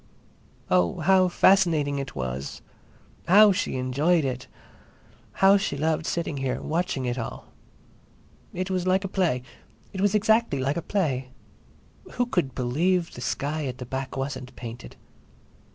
Oh, how fascinating it was! How she enjoyed it! How she loved sitting here, watching it all! It was like a play. It was exactly like a play. Who could believe the sky at the back wasn't painted?